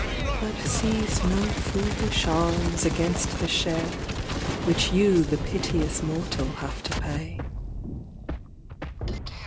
But seize no foolish arms against the share Which you the piteous mortal have to pay.